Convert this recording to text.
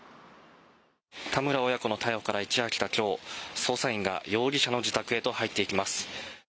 田村親子の逮捕から一夜明けた今日、捜査員が容疑者の自宅へと入っていきます。